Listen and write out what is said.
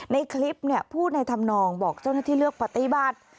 ในคลิปพูดในธรรมนองบอกเจ้าหน้าที่เลือกปฏิบัติ